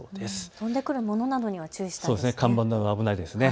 飛んでくるものなどには注意したいですね。